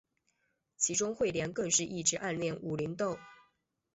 其中彗莲更是一直暗恋武零斗。